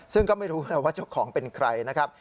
ซึ่งก็ไม่รู้แหละว่าเจ้าของเป็นใครนะครับ